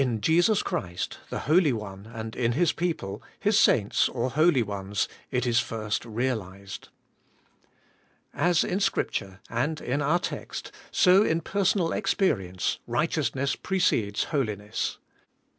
73 Jesus Christ, the Holy One, and in His people, His saints or holy ones, it is first realized. As in Scripture, and in our text, so in personal experience righteousness precedes holiness.